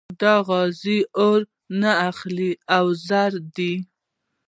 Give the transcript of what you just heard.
دا غاز اور نه اخلي او زهري دی.